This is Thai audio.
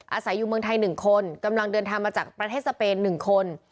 อาศัยอยู่เมืองไทย๑คนกำลังเดินทางมาจากประเทศสเปน๑คน